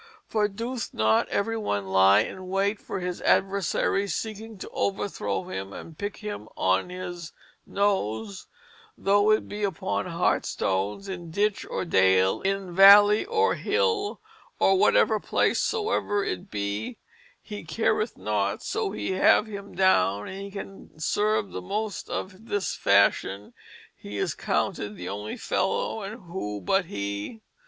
For dooth not everyone lye in waight for his adversarie, seeking to overthrowe him and picke him on his nose, though it be uppon hard stones, in ditch or dale, in valley or hill, or whatever place soever it be hee careth not, so hee have him downe; and he that can serve the most of this fashion he is counted the only fellow, and who but he?...